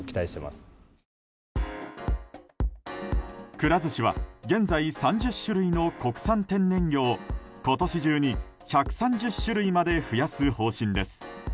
くら寿司は、現在３０種類の国産天然魚を今年中に１３０種類まで増やす方針です。